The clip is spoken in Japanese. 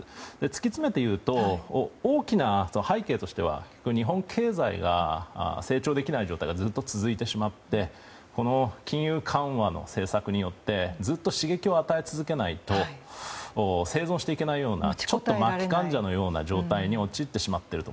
突き詰めて言うと大きな背景としては日本経済が成長できない状態がずっと続いてしまってこの金融緩和の政策によってずっと刺激を与え続けないと生存していけないようなちょっと末期患者のような状態に陥ってしまっている。